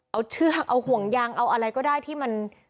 เอาเชือกเอาห่วงยางเอาอะไรก็ได้ที่มัน